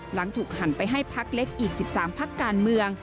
หลังถูกหันไปให้พักเล็กอีก๑๓พักการเมือง